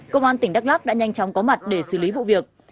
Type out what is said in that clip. công an tỉnh đắk lắc đã nhanh chóng có mặt để xử lý vụ việc